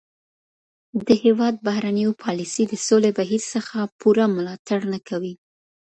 د هېواد بهرنیو پالیسي د سولي بهیر څخه پوره ملاتړ نه کوي.